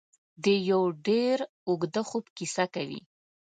د یو ډېر اوږده خوب کیسه کوي.